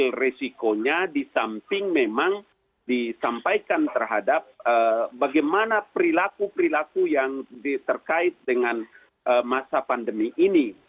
jadi resikonya di samping memang disampaikan terhadap bagaimana perilaku perilaku yang terkait dengan masa pandemi ini